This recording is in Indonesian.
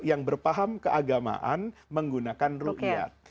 yang berpaham keagamaan menggunakan rukyat